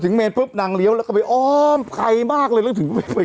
พอถึงเมนปุ๊บนางเลี้ยวแล้วก็ไปอ๋อไขมากเลยแล้วก็ถึงไปเข้าไป